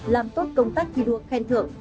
làm tốt công tác thi đua khen thưởng